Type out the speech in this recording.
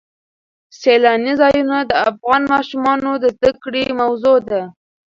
سیلانی ځایونه د افغان ماشومانو د زده کړې موضوع ده.